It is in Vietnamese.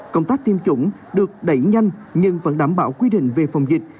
công tác tiêm chủng được đẩy nhanh nhưng vẫn đảm bảo quy định về phòng dịch